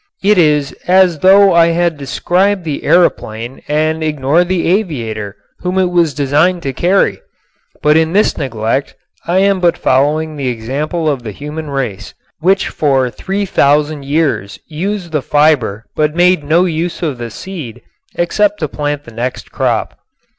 It is as though I had described the aeroplane and ignored the aviator whom it was designed to carry. But in this neglect I am but following the example of the human race, which for three thousand years used the fiber but made no use of the seed except to plant the next crop.